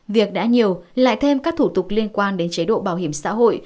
việc đã nhiều lại thêm các thủ tục liên quan đến chế độ bảo hiểm xã hội